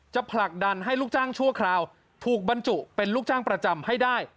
ผลักดันให้ลูกจ้างชั่วคราวถูกบรรจุเป็นลูกจ้างประจำให้ได้